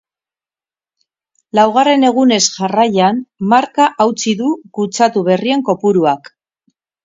Laugarren egunez jarraian marka hautsi du kutsatu berrien kopuruak.